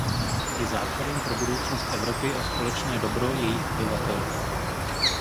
Je základem pro budoucnost Evropy a společné dobro jejích obyvatel.